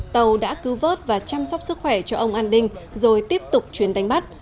tàu đã cứu vớt và chăm sóc sức khỏe cho ông anding rồi tiếp tục chuyến đánh bắt